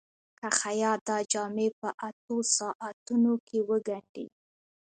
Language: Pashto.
که خیاط دا جامې په اتو ساعتونو کې وګنډي.